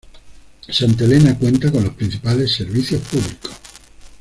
Santa Elena cuenta con los principales servicios públicos.